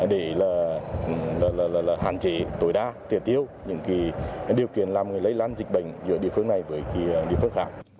để hạn chế tối đa triệt tiêu những điều kiện làm lây lan dịch bệnh giữa địa phương này với địa phương khác